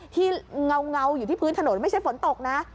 เงาอยู่ที่พื้นถนนไม่ใช่ฝนตกนะ